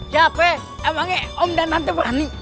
siapa emangnya om dan tante berani